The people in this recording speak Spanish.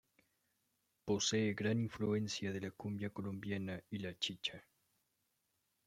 Posee gran influencia de la cumbia colombiana y la chicha.